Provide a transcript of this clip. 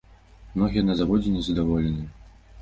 Многія на заводзе незадаволеныя.